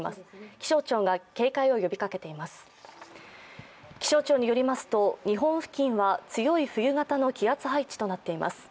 気象庁によりますと日本付近は強い冬型の気圧配置となっています。